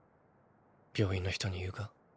病院の人に言うか？